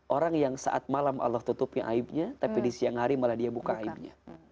orang yang saat malam allah tutupi aibnya tapi di siang hari malah dia buka aibnya